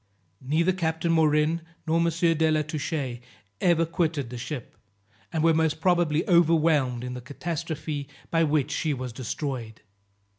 Neither Captain Morin, nor M. de la Touche ever quitted the ship, and were most probably overwhelmed in the catastrophe by which she was destroyed.